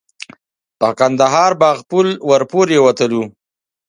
پر کندهار باغ پل ور پورې وتلو.